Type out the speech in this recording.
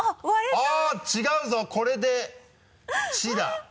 あぁ違うぞこれで「ち」だ。